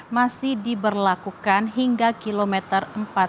masih diberlakukan hingga kilometer empat ratus empat belas